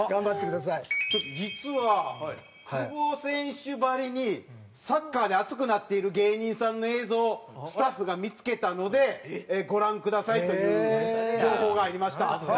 実は久保選手ばりにサッカーで熱くなっている芸人さんの映像をスタッフが見付けたのでご覧くださいという情報が入りました。